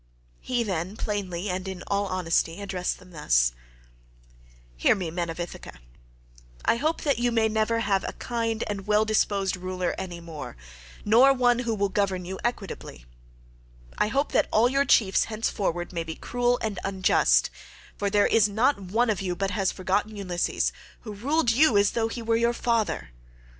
He, then, plainly and in all honesty addressed them thus: "Hear me, men of Ithaca, I hope that you may never have a kind and well disposed ruler any more, nor one who will govern you equitably; I hope that all your chiefs henceforward may be cruel and unjust, for there is not one of you but has forgotten Ulysses, who ruled you as though he were your father.